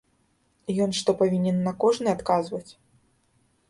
Ён што, павінен на кожны адказваць?